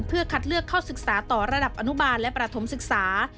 เพื่อคัดเลือกเข้าศึกษาต่อระดับอนุบาลและประถมศึกษา